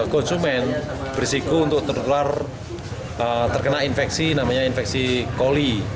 konsumen beresiko untuk terkena infeksi namanya infeksi coli